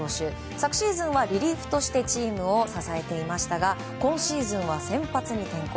昨シーズンはリリーフとしてチームを支えていましたが今シーズンは先発に転向。